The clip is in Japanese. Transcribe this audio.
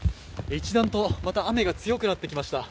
一段と、また雨が強くなってきました。